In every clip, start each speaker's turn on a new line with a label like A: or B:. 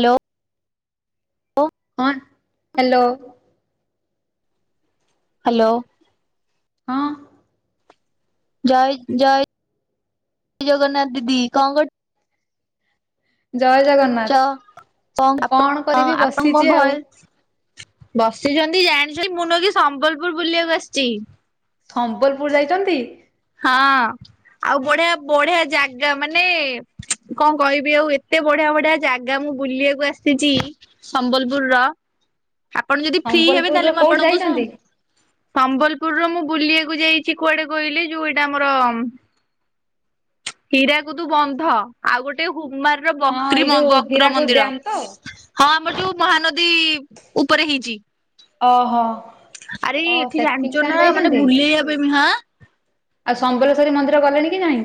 A: Hello.
B: ହଁ hello.
A: Hello.
B: ହଁ।
A: ଜୟ ଜୟ ଜଗନ୍ନାଥ ଦିଦି କଣ କର୍
B: ଜୟ ଜଗନାଥ।
A: ଞ୍ଚ ହଁ ଆପଣଙ୍କ ଆପଣଙ୍କ
B: ବସିଛି ଆଉ
A: ଭୟସ୍ ବସିଚନ୍ତି ଜାଣିଚନ୍ତି ମୁଁ ନୁହଁକି ସମ୍ବଲପୁର ବୁଲିବାକୁ ଆସିଚି।
B: ସମ୍ବଲପୁର ଯାଇଚନ୍ତି?
A: ହଁ ଆଉ ବଢିଆ ବଢିଆ ଜାଗା ମାନେ କଣ କହିବି ଆଉ ଏତେ ବଢିଆ ବଢିଆ ଜାଗା ମୁଁ ବୁଲିବାକୁ ଆସିଛି। ସମ୍ବଲପୁରର ଆପଣ ଯଦି ଫ୍ରି ହେବେ
B: ସମ୍ବଲପୁରର
A: ତାହେଲେ ମୁଁ
B: କୋଉଠି
A: ଆପଣଙ୍କୁ
B: ଯାଇଛନ୍ତି?
A: ସବ୍ ସମ୍ବଲପୁରର ମୁଁ ବୁଲିବାକୁ ଯାଇଚି କୁଆଡେ କହିଲି ଯୋଉ ଏଇଟା ଆମର ହୀରାକୁଦୁ ବନ୍ଧ। ଆଉ ଗୋଟେ ହୁମାରର
B: ହଁ ଏଇ
A: ବକ୍ରିମ
B: ଯୋଉ
A: ବକ୍ର
B: ହୀରାକୁଦ
A: ମନ୍ଦିର।
B: ଡ୍ୟାମ ତ?
A: ହଁ ଆମର ଯୋଉ ମହାନଦୀ ଇ ଉପରେ ହେଇଚି।
B: ଓହୋ
A: ଆରେ
B: ଓ
A: ଏଠି
B: ସେଠିକି
A: ଜାଣିଚ ନା
B: ତାହେଲେ
A: ମାନେ
B: ଯାଇଛନ୍ତି?
A: ବୁଲେଇବା ପାଇଁ ବି ହାଁ
B: ଆଉ ସମ୍ବଲେଶ୍ୱରୀ ମନ୍ଦିର ଗଲେଣି କି ନାଇଁ?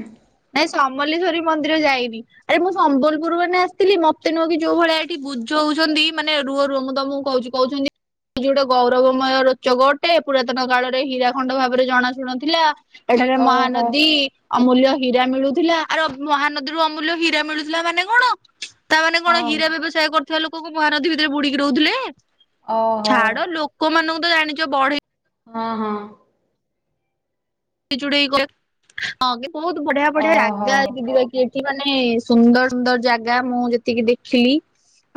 A: ନାଇଁ ସମଲେଶ୍ଵରୀ ମନ୍ଦିର ଯାଇନି। ଆରେ ମୁଁ ସମ୍ବଲପୁର ମାନେ ଆସିଥିଲି ମତେ ନୁହେଁ କି ଯୋଉ ଭଳିଆ ଏଠି ବୁଝଉଛନ୍ତି ମାନେ ରୁହ ରୁହ ମୁଁ ତମକୁ କହୁଚି। କହୁଛନ୍ତି। ଯୋଉଡ଼ା ଗୌରବମୟ ରୋଚକ ଅଟେ ପୁରାତନ କାଳରେ ହୀରାଖଣ୍ଡ ଭାବରେ ଜଣାଶୁଣାଥିଲା। ଏଠାରେ
B: ଓହୋ
A: ମହାନଦୀ ଅମୂଲ୍ୟ ହୀରା ମିଳୁଥିଲା ଆର ମହାନଦୀରୁ ଅମୂଲ୍ୟ ହୀରା ହୀରା ମିଳୁଥିଲା ମାନେ କଣ ତାମାନେ କଣ
B: ହଁ
A: ହୀରା ବ୍ୟବସ୍ ବ୍ୟବସାୟ କରୁଥିବା ଲୋକଙ୍କୁ ମହାନଦୀ ଭିତରେ ବୁଡ଼ିକି ରହୁଥିଲେ
B: ଓହୋ
A: ଛାଡ ଲୋକ କୋ ମାନଙ୍କୁ ତ ଜାଣିଛ ବଢେଇ
B: ହଁ ହଁ।
A: [unintelligible] ଡ ହଁ ବୋହୁତ ବଢିଆ ବଢିଆ
B: ଓହୋ।
A: ରାଗା ଯି ଯିବା ଏଠି ମାନେ ସୁନ୍ଦର ସୁନ୍ଦର ଜାଗା ମୁଁ ଯେତିକି ଦେଖିଲି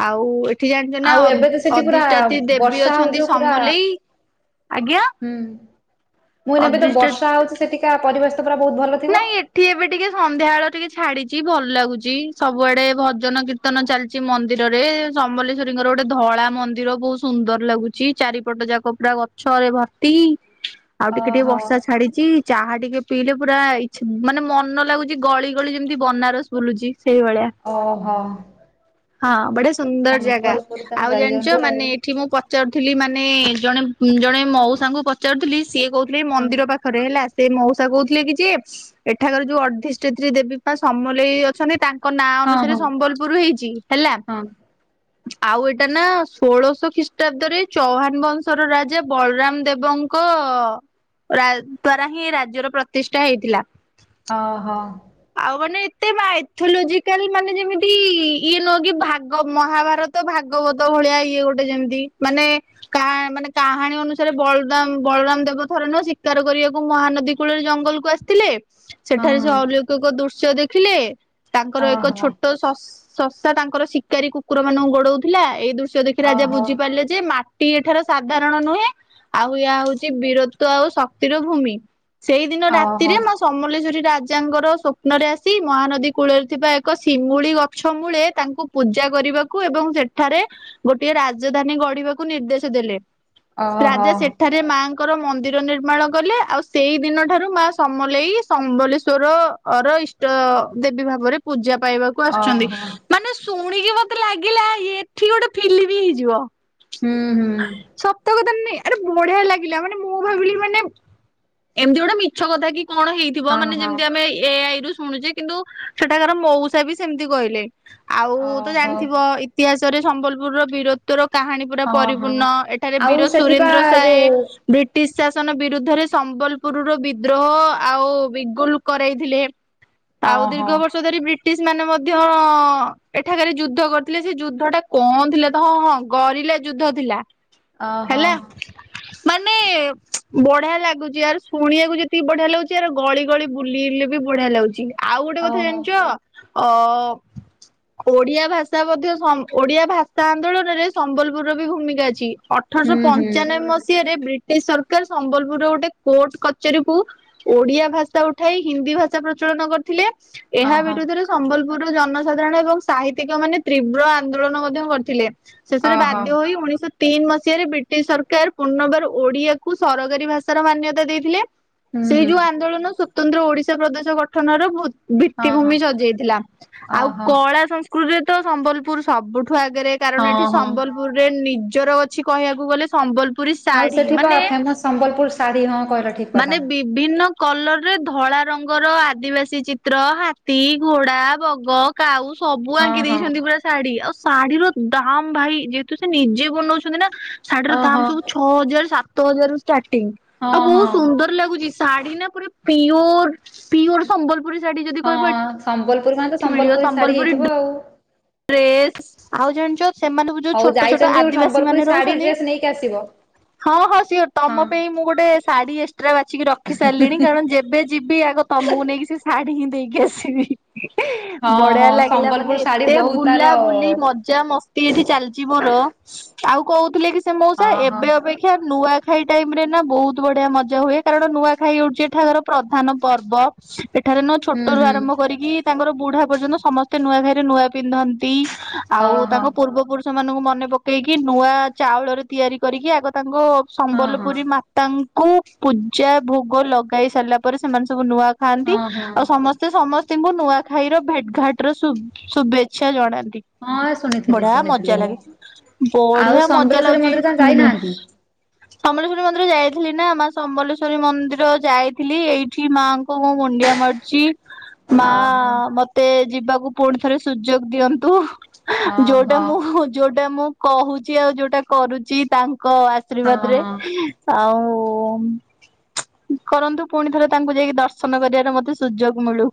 A: ଆଉ ଏଠି ଜାଣିଛ ନା
B: ଆଉ ଏବେ ତ ସେଠି ପୁରା
A: ଅଧିଷ୍ଠାତି ଦେବୀ
B: ବର୍ଷା ହଉ
A: ଅଛନ୍ତି
B: ଯୋଉ ପୁରା
A: ସମଲେଇ, ଆଜ୍ଞା
B: ହୁଁ ମୁଇଁ ନେବ ତ
A: ଅଧିଷ୍ଠା
B: ବର୍ଷା ହୋଉଚି ସେଠିକା ପରିବେଶ ତ ପୁରା ବୋହୁତ ଭଲ ଥିବ।
A: ନାଇଁ ଏଠି ଏବେ ଟିକେ ସନ୍ଧ୍ୟାବେଳଳେ ଟିକେ ଛାଡିଚି ଭଲ ଲାଗୁଚି ସବୁଆଡେ ଭଜନ କୀର୍ତ୍ତି କୀର୍ତ୍ତନ ଚାଲିଚଛି ମନ୍ଦିରରେ ସମବଲେଶ୍ୱରୀଙ୍କର ଗୋଟେ ଧଳା ମନ୍ଦିର ବହୁତ ସୁନ୍ଦର ଲାଗୁଚି ଚାରିପଟ ଯାକ। ପୁରା ଗଛରେ ଭର୍ତ୍ତି ଆଉ ଟିକେ ଟିକେ
B: ଓହୋ।
A: ବର୍ଷା ଛାଡିଚି ଚାହା ଟିକେ ପିଇଲେ ପୁରା ଇଛା ମାନେ ମନ ଲାଗୁଚି ଗଳି ଗଳି ଯେମିତି ବନାରସ ବୁଲୁଚି ସେଇଭଳିଆ
B: ଓହୋ।
A: ହଁ ବଢ଼ିଆ ସୁନ୍ଦର ଜାଗା
B: ସମ୍ବଲପୁରୀ ତାଙ୍କୁ
A: ଆଉ ଜାଣିଛ
B: ଗାଇଛନ୍ତି
A: ମାନେ ଏଠି
B: ଆଉ।
A: ମୁଁ ପଚାରୁଥିଲି ମାନେ ଜଣେ ଜଣେ ମଉସାଙ୍କୁ ପଚାରୁଥିଲି ସିଏ କହୁଥିଲେ ମନ୍ଦିର ପାଖ ଥରେ ହେଲା ସେ ମଉସା କହୁଥିଲେ କି ସି ଏଠାକାର ଯୋଉ ଅର୍ଦ୍ଧିଷ୍ଟିତ୍ରୀ ଦେବୀ ସମଲେଇ ଅଛନ୍ତି ତା ଙ୍କ ନାଁ ଅନୁସାରେ
B: ହଁ
A: ସମ୍ବଲପୁର ହେଇଚି ହେଲା। ଆଉ ଏଇଟା ନା ଷୋଳଶହ ଖ୍ରୀଷ୍ଟାବ୍ଦରେ ଚୌହାନ ବଂଶର ରାଜା ବଳରାମ ଦେବ ଙ୍କ ର ଦ୍ଵାରା ହିଁ ରାଜ୍ୟର ପ୍ରତିଷ୍ଠା ହେଇଥିଲା।
B: ଓହୋ।
A: ଆଉ ମାନେ ଏତେ ମାଇଥୋଲୋଜିକାଲ ମାନେ ଯେମିତି ଇଏ ନୁହଁ କି ଭାଗ ମହାଭାରତ ତ ଭାଗବତ ଭଳିଆ ଇଏ ଗୋଟେ ଯେମିତି ମାନେ କା ମାନେ କାହାଣୀ ଅନୁସାରେ ବଳରାମ ବଳରାମ ଦେବ ଥରେ ନୁହ ଶିକାର କରିବାକୁ ମହାନଦୀ କୂଳରେ ଜଙ୍ଗଲ ଆସିଥିଲେ ସେଠାରେ
B: ଓହୋ
A: ସେ ଅଲୌକିକ ଦୃଶ୍ୟ ଦେଖିଲେ ତାଙ୍କର
B: ହଁ
A: ଏକ
B: ହଁ।
A: ଛୋଟ ଶସା ତାଙ୍କର ଶିକାରୀ କୁକୁର ମାନଙ୍କୁ ଗୋଡଉଥିଲା ଏଇ ଦୃଶ୍ୟ ଦେଖି ରାଜା
B: ଓହୋ
A: ବୁଝିପାରିଲେ ଯେ ମା ଟି ଏଠାର ସାଧାରଣ ନୁହେଁ ଆଉ ୟ ହୋଉଚି ବୀରତ୍ଵ ଆଉ ଶକ୍ତିର ଭୂମି। ସେଇଦିନ ରା
B: ଓହୋ ଓହୋ
A: ସମଲେଶ୍ଵରୀ ରାଜାଙ୍କର ସ୍ୱପ୍ନରେ ଆସି ମହାନଦୀ କୂଳରେ ଥିବା ଏକ ଶିମୁଳି ଗଛ ମୂଳେ ତାଙ୍କୁ ପୂଜା କରିବାକୁ ଏବଂ ସେଠାରେ ଗୋଟିଏ ରାଜଧାନୀ ଗଢିବାକୁ ନିର୍ଦ୍ଦେଶ ଦେଲେ।
B: ଓହୋ।
A: ରାଜା ସେଠାରେ ମାଙ୍କର ମନ୍ଦିର ନିର୍ମାଣ କଲେ ଆଉ ସେଇ ଦିନ ଠାରୁ ମା ସମଲେଇ ସମ୍ବଲେଶ୍ଵରର ଇଷ୍ଟ ଦେବୀ ଭାବରେ ପୂଜା ପାଇବା କୁ ଆସୁଛନ୍ତି।
B: ଓହୋ
A: ମାନେ ଶୁଣିକି ମତେ ଲାଗିଲା ଏଠି ଗୋଟେ ଫିଲ୍ମ ବି ହେଇଯିବ।
B: ହୁଁ ହୁଁ।
A: ସତ କଥା ନୁହେଁ, ଆରେ ବଢିଆ ଲାଗିଲା। ମାନେ ମୁଁ ଭାବିଲି ମାନେ ଏମିତି ଗୋଟେ ମିଛ କଥା କି କଣ ହେଇ ଥିବ
B: ହଁ
A: ମାନେ
B: ହଁ।
A: ଯେମିତି ଆମେ ଏଆଇରୁୁ ଶୁଣୁଛେ। କିନ୍ତୁ ସେଠାକାର ମଉସା ବି ସେମିତି କହିଲେ। ଆଉ ତ
B: ଓହୋ
A: ଜାଣିଥିବ ଇତିହାସରେ ସମ୍ବଲପୁରର ବୀରତ୍ଵ ର କାହାଣୀ ପୁରା
B: ହଁ
A: ପରିପୂର୍ଣ୍ଣ
B: ହଁ।
A: ଏଠାରେ
B: ଆଉ
A: ବୀର
B: ସେଥିପା
A: ସୁରେନ୍ଦ୍ର ସାଏ
B: ଯୋଉ
A: ବ୍ରିଟିଶ ଶାସନ ବିରୁଦ୍ଧରେ ସମ୍ବଲପୁରରୁ ବିଦ୍ରୋହ ଆଉ ବିଗୁଲ କରାଇଥିଲେ। ଆଉ ଦୀର୍ଘ
B: ଓହୋ
A: ବର୍ଷ ଧରି ବ୍ରି ବ୍ରିଟିଶ ମାନେ ମଧ୍ୟ ଏଠାରେ ଯୁଦ୍ଧ କରିଥିଲେ। ସେ ଯୁଦ୍ଧ ଟା କଣ ଥିଲା ତ ହଁ ହଁ ଗରିଲା ଯୁଦ୍ଧ ଥିଲା
B: ଓହୋ
A: ହେଲା। ମାନେ ବଢିଆ ଲାଗୁଛି ଆର ଶୁଣିବାକୁ ଯେତିକି ବଢିଆ ଲାଗୁଛି ଆର ଗଳି ଗଳି ବୁଲିଲେ ବି ବଢିଆ ଲାଗୁଚି। ଆଉ ଗୋଟେ କଥା
B: ଓହୋ।
A: ଜାଣିଚ ଅ ଓଡିଆ ଭାଷା ମଧ୍ୟ ଓଡିଆ ଭାଷା ଆନ୍ଦୋଳନରେ ସମ୍ବଲ ପୁର ବି ଭୂମିକା ଅଛି। ଅଠରଶହ
B: ହୁଁ ହୁଁ
A: ପଞ୍ଚାନବେ ମସିହାରେ ବ୍ରି ଟିଶ ସରକାର ସମ୍ବଲପୁରରେ ଗୋଟେ କୋର୍ଟ କଚେରୀ କୁ ଓଡିଆ ଭାଷା ଉଠାଇ ହିନ୍ଦୀ ଭାଷା ପ୍ରଚଳନ କରିଥିଲେ। ଏହା
B: ଓହୋ
A: ବିରୁଦ୍ଧରେ ସମ୍ବଲପୁରର ଜନସାଧାରଣ ଏବଂ ସାହିତ୍ୟିକ ମାନେ ତୀବ୍ର ଆନ୍ଦୋଳନ ମଧ୍ୟ କରିଥିଲେ। ଶେଷରେ ବା
B: ଓହୋ
A: ଉଣେଇଶ ତିନି ମସିହାରେ ବ୍ରିଟିଶ ସରକାର ପୁର୍ନବାର ଓଡିଆକୁ ସରକାରୀ ଭାଷାର ମାନ୍ୟତା ଦେଇଥିଲେ।
B: ହୁଁ
A: ସେଇ
B: ହୁଁ
A: ଯୋଉ ଆନ୍ଦୋଳନ ସ୍ୱତନ୍ତ୍ର ଓଡିଶା ପ୍ରଦେଶ ଗଠନର ଭୁ
B: ହଁ ହଁ
A: ଭିତ୍ତିଭୂମି ସଜେଇଥିଲା। ଆଉ
B: ଓହୋ
A: କଳା ସଂସ୍କୃତିରେ ତ ସମ୍ବଲପୁର ସବୁଠୁ ଆଗରେ। କାରଣ
B: ହଁ
A: ଏଠି
B: ହଁ।
A: ସମ୍ବଲପୁରରେ ନିଜର ଅଛି କହିବାକୁ ଗଲେ ସମ୍ବଲ
B: ଆଉ ସେଠି ପା ଫେମସ ସମ୍ବଲପୁର ଶାଢ଼ୀ ହଁ କହିଲ ଠିକ
A: ମାନେ
B: କଥା।
A: ବିଭିନ୍ନ କଲର ରେ ଧଳା ରଙ୍ଗର ଆଦିବାସୀ ଚିତ୍ର ହାତୀ, ଘୋଡା, ବଗ କାଉ ସବୁ
B: ହଁ
A: ଆଙ୍କି
B: ହଁ
A: ଦେଇଛନ୍ତି ପୁରା ଶାଢୀ। ଆଉ ଶାଢୀର ଦାମ ଭାଇ ଯେ ତ ସେ ନିଜେ ବନାଉଛନ୍ତି ନା। ଶାଢୀର
B: ଅ
A: ଦାମ
B: ହଁ
A: ସବୁ ଛଅ ହଜାର ସାତ ହଜାର ରୁ ଷ୍ଟାର୍ଟିଂ। ଆଉ
B: ହଁ
A: ବହୁତ
B: ହଁ।
A: ସୁନ୍ଦର ଲାଗୁଚି। ଶାଢୀ ନା ପୁରା ପିଓର ପିଓର ସମ୍ବଲପୁରୀ ଶାଢ଼ୀ ଯଦି କହିବ
B: ହଁ ସମ୍ବଲପୁର ମାନେ ତ
A: ଏଠି ମିଳିବ।
B: ଶାଢୀ
A: ସମ୍ବଲପୁରୀ
B: ହେଇଥିବ ଆଉ।
A: ଡ୍ରେସ। ଆଉ ଜାଣିଚ ସେମାନଙ୍କୁ ଯୋଉ
B: ହଉ
A: ଛୋଟ ଛୋଟ
B: ଯାଇଛନ୍ତି ଗୋଟେ
A: ଆଦିବାସୀ
B: ସମ୍ବଲପୁରୀ
A: ମାନେ
B: ଶାଢୀ
A: ରହୁଛନ୍ତି
B: ଡ୍ରେସ ନେଇକି ଆସିବ।
A: ହଁ ହଁ ସିଓର
B: ହଁ
A: ତମ ପାଇଁ ମୁଁ ଗୋଟେ ଶାଢୀ ଏକ୍ସଟ୍ରା ବାଛିିକି ରଖି ସାରିଲିଣି। କାରଣ ଯେବେ ଯିବି ଆଗ ତମକୁ ନେଇକି ସେ ଶାଢୀ ହିଁ ଦେଇକି ଆସିବି।
B: ହଁ
A: ବଢିଆ
B: ହଁ
A: ଲାଗିଲା
B: ସମ୍ବଲପୁର
A: ମାନେ
B: ଶାଢୀ
A: ସେ
B: ବହୁତ ତାର
A: ବୁଲାବୁଲି ମଧ୍ ମଜା ମସ୍ତି ଏଇଠି ଚାଲିଚି ମୋର। ଆଉ କହୁଥିଲେ କି ସେ ମଉସା
B: ହଁ ହଁ
A: ଏବେ ଅପେ କ୍ଷା ନୂଆଖାଇ ଟାଇମ ରେ ନା ବହୁତ ବଢିଆ ମଜା ହୁଏ। କାରଣ ନୂଆଖାଇ ହଉଛି ଏଠାକାର ପ୍ରଧାନ ପର୍ବ ଏଠାରେ ନୁହଁ
B: ହୁଁ
A: ଛୋଟ ରୁ
B: ହୁଁ
A: ଆରମ୍ଭ କରିକି ତାଙ୍କର ବୁଢା ପର୍ଯ୍ୟନ୍ତ ସମସ୍ତେ ନୂଆ ଖାଇରେ ନୂଆ ପିନ୍ଧନ୍ତି। ଆଉ
B: ଓହୋ
A: ତାଙ୍କ ପୂର୍ବପୁରୁଷ ସ ମାନଙ୍କୁ ମନେ ପକେଇକି ନୂଆ ଚାଉଳରେ ତିଆରି କରିକି ଆଗ ତାଙ୍କ
B: ହଁ ହଁ।
A: ସମ୍ବଲପୁରୀ ମା ତାଙ୍କୁ ପୂଜା ଭୋଗ ଲଗାଇ ସାରିଲା ପରେ ସେମାନେ ସବୁ ନୂଆ ଖାଆନ୍ତି।
B: ହଁ ହଁ
A: ଆଉ ସମସ୍ତେ ସେ ସମସ୍ତଙ୍କୁ ନୂଆଖାଇର ଭେଟ୍ ଘାଟ ର ଶୁ ଶୁଭେଚ୍ଛା ଜଣାନ୍ତି।
B: ହଁ ଶୁଣିଥିଲି
A: ବଢିଆ
B: ଶୁଣିଥିଲି
A: ମଜା
B: ମୁଁ।
A: ଲାଗେ।
B: ଆଉ
A: ବଢିଆ ମଜା
B: ସମଲେଶ୍ୱରୀ
A: ଲାଗୁଚି
B: ମନ୍ଦିର ତମେ ଯାଇନାହାନ୍ତି?
A: ସମଲେଶ୍ଵରୀ ମନ୍ଦିର ଯାଇଥିଲି ନା। ମା ସମଲେଶ୍ଵରୀ ମନ୍ଦିର ଯାଇଥିଲି ଏଇଠି ମାଙ୍କ ଙ୍କୁ ମୁଁ ମୁଣ୍ଡିଆ ମାରୁଚି। ମା
B: ଓହୋ
A: ମତେ ଯିବାକୁ ପୁଣି ଥରେ ସୁଯୋଗ ଦିଅନ୍ତୁ।
B: ହଁ
A: ଯୋଉଟା
B: ହଁ
A: ମୁଁ ଯୋଉଟା ମୁଁ କହୁଚି ଆଉ ଯୋଉଟା କରୁଛି ତାଙ୍କ ଆଶୀର୍ବାଦ
B: ହଁ
A: ରେ।
B: ହଁ
A: ଆଉ କରନ୍ତୁ ପୁଣି ଥରେ ତାଙ୍କୁ ଯାଇକି ଦର୍ଶନ କରିବାରେ ମତେ ସୁଯୋଗ ମିଳୁ।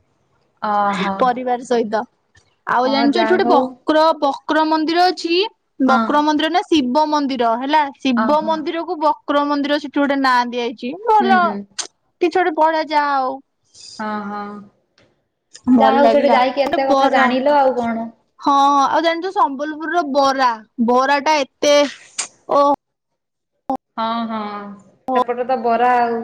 B: ଓହୋ।
A: ପରିବାର ସହିତ। ଆଉ
B: ହଁ
A: ଜାଣିଛ ଏଠି
B: ଯାହା
A: ଗୋଟେ
B: ହଉ
A: ବକ୍ର ବକ୍ର ମନ୍ଦିର ଅଛି।
B: ହଁ
A: ବକ୍ର ମନ୍ଦିର ନା ଶିବ ମନ୍ଦିର ହେଲା ଶିବ
B: ଓହୋ
A: ମନ୍ଦିର କୁ ବକ୍ର ମନ୍ଦିର ସେଠି ଗୋଟେ ନାଁ ଦିଆଯାଇଛି।
B: ହଁ
A: ଭଲ କିଛି ଗୋଟେ ପଳେଇ ଯାହା ଆଉ।
B: ହଁ ହଁ
A: ଭଲ
B: ଯାହା ହଉ ସେଠି
A: ଲାଗିଲା।
B: ଯାଇକି
A: ଗୋଟେ
B: ଏତେ କଥା
A: ବରା
B: ଜାଣିଲ ଆଉ କଣ।
A: ହଁ ଆଉ ଜାଣିଛୁ ସମ୍ବଲପୁରର ବରା ବରା ଟା ଏତେ ଓ।
B: ହଁ ହଁ ସେପଟ ତ ବରା ଆଉ।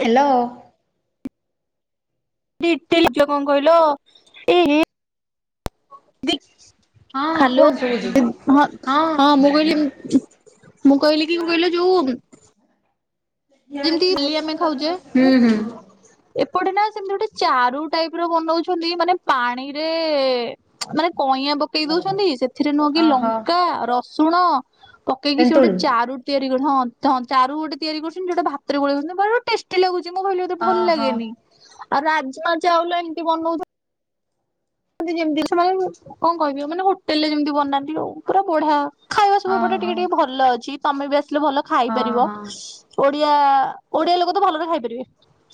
B: ହ୍ୟାଲୋ।
A: ଦିତିଜ କଣ କହିଲ ଏ ବି।
B: ହଁ
A: ହ୍ୟାଲୋଁ
B: କୁହନ୍ତୁ ଶୁଭୁଛି ହଁ।
A: ହଁ ମୁଁ କହିଲି ମୁଁ କହିଲି କି ମୁ କହିଲି ଯଉ ଆମେ ଖାଉଛେ
B: ହୁଁ ହୁଁ।
A: ଏପଟେ ନା ସେମତି ଗୋଟେ ଚାରୁ ଟାଇପ ର ବନଉଛନ୍ତି। ମାନେ ପାଣିରେ ମାନେ କଇଆ ପକେଇ ଦଉଛନ୍ତି ସେଥିରେ ନୁହଁ କି
B: ଓହୋ।
A: ଲଙ୍କା ରସୁଣ ପକେଇକି ସେ ଗୋଟେ
B: ତେନ୍ତୁଳି।
A: ଚାରୁ ତିଆରି କରୁ ହଁ ହଁ ଚାରୁ ଗୋଟେ ତିଆରି କରୁଛନ୍ତି। ଯୋଟା ଭାତରେ ଗୋଇଦେଉଛନ୍ତି ଟେଷ୍ଟି ଲାଗୁଛି। ମୁଁ ଭାଭିଲି ବୋଧେ ଭଲ
B: ଓହୋ
A: ଲାଗେନି ଆଉ ରାଜମା ଚାଉଳ ଏମିତି ବନଉ ମ ଯେମିତି ସେମାନେ କଣ କହିବେ ମାନେ ହୋଟେଲ ରେ ଯେମିତି ବନାନ୍ତି ପୁରା ବଢିଆ। ଖାଇବା ସବୁ ଏପଟେ
B: ଓହୋ
A: ଟିକେ ଟିକେ ଭଲ ଅଛି ତମେ ବି ଆସିଲେ ଭଲ ଖାଇ
B: ହଁ
A: ପାରିବ।
B: ହଁ।
A: ଓଡିଆ ଓଡିଆ ଲୋକ ତ ଭଲରେ ଖାଇପାରିବେ।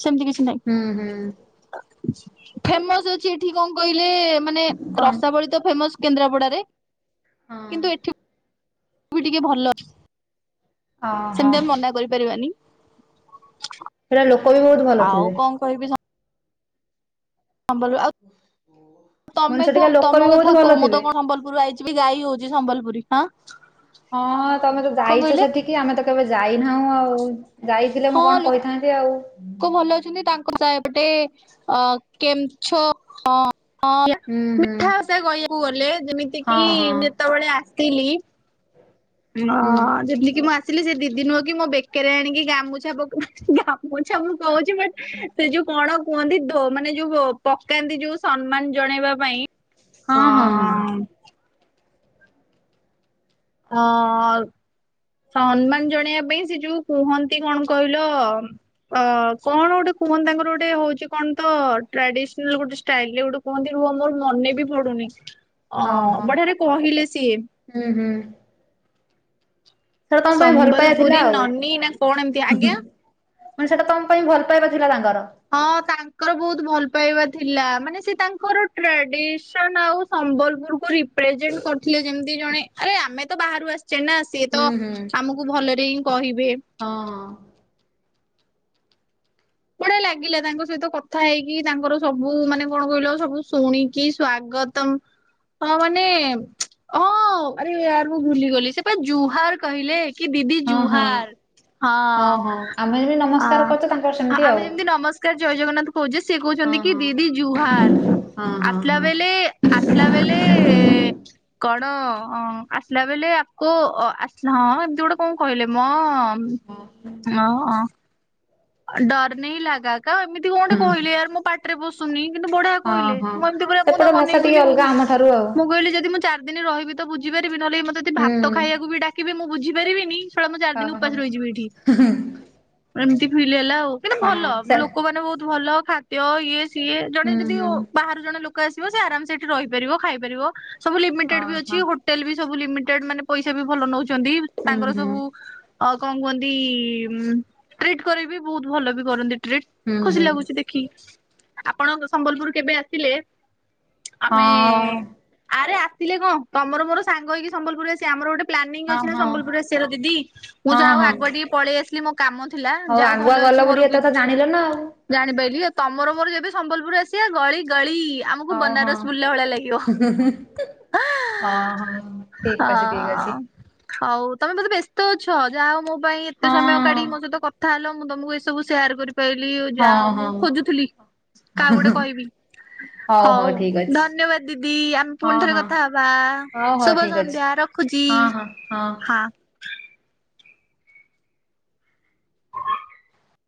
A: ସେମିତି କିଛି
B: ହୁଁ ହୁଁ।
A: ନାହିଁ। ଫେମସ ଅଛି ଏଠି କଣ କହିଲେ ମାନେ
B: କଣ
A: ରସାବଳୀ ତ ଫେମସ କେନ୍ଦ୍ରାପଡାରେ।
B: ହଁ
A: କିନ୍ତୁ ଏଠି ବି ଟିକେ ଭଲ ଅ
B: ଓହୋ।
A: ସେମିତି ଆମେ ମନା କରିପାରିବାନି।
B: ସେଇଟା ଲୋକ ବି ବହୁତ ଭଲ
A: ଆଉ
B: ଥିବେ
A: କଣ କହିବି ସ ସମ୍ବଲ ଆଉ
B: ମୁଁ କହିଲି
A: ତମେ
B: ସେଠିକା
A: କୁହ
B: ଲୋକ ବି
A: ତମ
B: ବହୁତ
A: କଥା କହ
B: ଭଲ
A: ମୁଁ
B: ଥିବେ।
A: ତ କଣ ସମ୍ବଲପୁରରୁ ଆଇ କିଛି ବି ଗାଈ ହଉଛି ସମ୍ବଲପୁରୀ ହଁ
B: ହଁ ହ ତମେ ତ
A: କଣ
B: ଯାଇଛ
A: କହିଲେ
B: ସେଠିକି ଆମେ ତ କେବେ ଯାଇନାହୁଁ ଆଉ ଯାଇଥିଲେ ମୁଁ କଣ କହିଥାନ୍ତି ଆଉ ଉ
A: କୋଉ ଭଲ ଅଛନ୍ତି ତାଙ୍କ ସାଏପଟେ ଅ କେମଛ ଅଁ ଅଁ
B: ହୁଁ ହୁଁ
A: ମିଠା ସେ କହିବାକୁ ଗଲେ ଯେମିତି
B: ହଁ
A: କିି
B: ହଁ
A: ଯେତେବେଳେ ଆସିଲି ପ୍ରିଉନ୍
B: ହୁଁ ହ
A: ହଁ ଯେମିତି କିି ମୁଁ ଆସିଲି ସେ ଦିଦି ନୁହଁକି ମୋ ବେକରେ ଆଣିକି ଗାମୁଛା ପକା ଗାମୁଛା ମୁଁ କହୁଛି ବଟ ସେ ଯୋଉ କଣ କୁହନ୍ତି ଦୋ ମାନେ ଯୋଉ ପକାନ୍ତି ଯୋଉ ସମ୍ମାନ ଜଣେଇବା ପାଇଁ ହଁ ଅ ଅ ମ ହଁ ଅ ଆଉ ସମ୍ମାନ ଜଣେଇବା ପାଇଁ ସେ ଯୋଉ କୁହନ୍ତି କଣ କହିଲ ଅ ଅ କଣ ଗୋଟେ କୁହନ୍ତି ତାଙ୍କର ଗୋଟେ ହଉଛି କଣ ତ ଟ୍ରାଡିସଲ ଗୋଟେ ଷ୍ଟାଇଲ ଗୋଟେ କୁହନ୍ତି ରୁହ ମୋର ମନେ ବି ପଡୁନି ଅ
B: ଓହୋ
A: ବଢିଆରେ କହିଲେ ସିଏ
B: ହୁଁ ହୁ ସେଟା ତମ ପାଇଁ ଭଲ ପାଇବା
A: ସମ୍ବଲପୁରୀ
B: ଥିଲା ଆଉ
A: ନନୀ ନା କଣ ଏମିତି
B: ହ
A: ଆଜ୍ଞା
B: ହୁଁ ମାନେ ସେଟା ତମ ପାଇଁ ଭଲ ପାଇବା ଥିଲା ତାଙ୍କର
A: ହଁ ଅ ତାଙ୍କର ବହୁତ ଭଲ ପାଇବା ଥିଲା ମାନେ ସେ ତାଙ୍କର ଟ୍ରାଡିସନ ଆଉ ସମ୍ବଲପୁରକୁ ରିପ୍ରେଜେଣ୍ଟ କରିଥିଲେ ଯେମିତି ଜଣେ ଆରେ ଆମେ ତ ବାହାରୁ ଆସିଛେ ନା
B: ହୁଁ
A: ସିଏତ
B: ହୁଁ
A: ଆମକୁ ଭଲରେ ହିଁ କହିବେ
B: ହଁ ଅ ଅ
A: ବଢିଆ ଲାଗିଲା ତାଙ୍କ ସହିତ କଥା ହେଇକି ତାଙ୍କର ସବୁ ମାନେ କଣ କହିଲ ସବୁ ଶୁଣିକି ସ୍ଵାଗତ ତମ୍ ହଁ ମାନେ ହଁ ଆରେ ୟାର ମୁଁ ଭୁଲିଗଲି ସେପା ଜୁହାର କହିଲେ କି ଦିଦି
B: ହଁ ହଁ
A: ଜୁହାର ହଁ
B: ହଁ ଆମେ ଯେମିତି
A: ଅ ଆ
B: ନମସ୍କାର କରୁଛୁ ତାଙ୍କର
A: ଆ
B: ସେମିତି ଆଉ
A: ଆମେ ଯେମିତି ନମସ୍କାର ଜୟ ଜଗନ୍ନାଥ ହଉଯେ ସେ
B: ହଁ
A: କହୁଛନ୍ତି କି
B: ହଁ।
A: ଦିଦି ଜୁହାର
B: ହଁ ହଁ ହଁ
A: ଆସିଲାବେଲେ ଆସିଲାବେଲେ ଏ ଏ କଣ ଆସିଲାବେଲେ ଆମକୁ ଆ ହଁ ଏମତି ଗୋଟେ କଣ କହିଲେ ମମ୍ ହ ହ ଡର ନହି ଲାଗାକା ଏମିତ ଏମିତି କଣ ଗୋଟେ
B: ହଁ
A: କହିଲେ ୟାର ମୋ ପାଟିରେ ପସୁନି କିନ୍ତୁ ବଢିଆ
B: ହଁ
A: କହିଲେ
B: ହଁ।
A: ମୁଁ ଏମିତି ପରା ମୁଁ
B: ସେପଟ
A: ତାଙ୍କୁ
B: ଭାଷା
A: ଅନେଇକି
B: ଟିକେ
A: ବୋଲି
B: ଅଲଗା
A: ମୁ
B: ଆମ ଠାରୁ ଆଉ
A: ମୁଁ କହିଲି ଯଦି ମୁଁ ଚାରିିଦିନି ରହିବି ତ ବୁଝିପାରିବି ନହେଲେ ମତେ ଯଦି
B: ହୁଁ
A: ଭାତ ଖାଇବାକୁ ବି ଡାକିବେ ମୁଁ ବୁଝିପାରିବିନି ଶଳା ମୁଁ ଚାରିଦିନ ଉପାସ ରହିଯିବି ଏଠି।
B: ହୁଁ ହୁଁ।
A: ତି ଫିଲ୍ ହେଲା। କିନ୍ତୁ ଭଲ
B: ସେ
A: ଲୋକମାନେ ବହୁତ ଭଲ ଖାଦ୍ୟ ଇଏ ସିଏ ଜଣେ
B: ହୁଁ
A: ଯଦି
B: ହୁଁ
A: ଓ ବାହାରୁ ଜଣେ ଲୋକ ଆସିବ ସିଏ ଆରମସେ ସେଠି ରହିପାରିବ ଖାଇପାରିବ। ସବୁ ଲିମିଟେଡ ବି ଅଛି
B: ଓହୋ
A: ହୋଟେଲବି ସବୁ ଲିମିଟେଡ ମାନେ ପଇସାବି ଭଲ ନଉଚନ୍ତି
B: ହୁଁ
A: ତାଙ୍କର
B: ହୁଁ
A: ସବୁ ଆଉ କଣ କୁହନ୍ତି ଉମ୍ ଟ୍ରିଟ୍ କରେବି ବହୁତ ଭଲବି କରନ୍ତି। ଟ୍ରିଟ।
B: ହୁଁ
A: ଖୁସି
B: ହୁଁ
A: ଲାଗୁଚି ଦେଖି ଆପଣ ଙ୍କ ସମ୍ବଲପୁର କେବେ ଆସିଲେ
B: ହଁ
A: ଆମେ, ଆରେ ଆସିଲେ କଣ ତମର ମୋର ସାଙ୍ଗ ହେଇକି ସମ୍ବଲପୁର ଆସିବା ଆମର ଗୋଟେ ପ୍ଲାନିଂ
B: ହଁ
A: ଅଛି ନା
B: ହଁ
A: ସମ୍ବଲପୁର ଆସିବାର ଦିଦି। ମୁଁ
B: ହଁ
A: ଯାଆ ହଉ
B: ହଁ
A: ଆଗୁଆ ଟିକେ ପଳେଇ ଆସିଲି ମୋ କାମ ଥିଲା ଯାହା ହଉ ଭଲ
B: ଆଗୁଆ
A: ହେଇଚି
B: ଗଲ
A: ମୋର
B: ବୋଲି
A: କି
B: ଏତେ ତ ଜାଣିଲ ନା
A: ଜାଣିପାଇଲି ଆ ତମର ମୋର ଯେବେ ସମ୍ବଲପୁର ଆସିବା ଗଳି ଗଳି ଆମକୁ
B: ଆଉ ହଉ
A: ବନାରସ ବୁଲିଲା ଭଳିଆ ଲାଗିବ।
B: ଅ ହଁ ହ ଠିକ ଅଛି ଠିକ
A: ହଁ
B: ଅଛି।
A: ହଉ ତମେ ବୋଧେ ବ୍ୟସ୍ତ ଅଛ। ଯାହା ହଉ ମୋ ପାଇଁ ଏତେ
B: ହଁ
A: ସମୟ କାଢି ମୋ ସହିତ କଥା ହେଲ ମୁଁ ତମକୁ ଏ ସବୁ ସେୟାର କରିପାଇଲିି
B: ହଁ
A: ଯାହା ହଉ ମୁଁ
B: ହଁ
A: ଖୋଜୁଥିଲି। କାହାକୁ ଗୋଟେ କହିବି? ହଉ ଧନ୍ୟବାଦ ଦିଦି। ଆମେ
B: ହଁ
A: ପୁଣି ଥରେ
B: ହଁ
A: କଥା ହବା।
B: ହଉ ହଉ
A: ଶୁଭ
B: ଠିକ ଅଛି
A: ସନ୍ଧ୍ୟା। ରଖ୍
B: ହଁ ହଁ ହଁ।